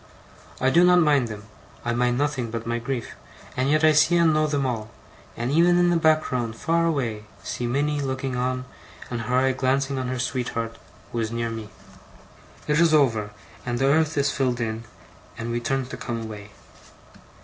I do not mind them I mind nothing but my grief and yet I see and know them all; and even in the background, far away, see Minnie looking on, and her eye glancing on her sweetheart, who is near me. It is over, and the earth is filled in, and we turn to come away.